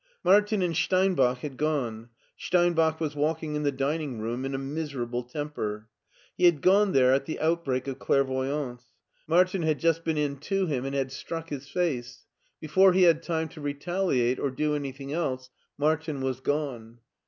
Martin and •Steinbach had gone. Steinbach was walking in the dining room; in a miserable temper. He had gone there at the out break of clairvoyance. Martin had just been in to ft u 138 MARTIN SCHULER him and had struck his face. Before he had time to retaliate or do anything else Martin wa^ gone.